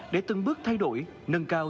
để từng bước thay đổi nâng cao